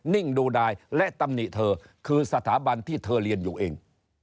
นิ่งดูดายและตำหนิเธอคือสถาบันที่เธอเรียนอยู่เอง